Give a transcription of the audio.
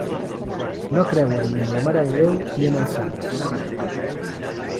No creuen ni en la Mare de Déu ni en els sants.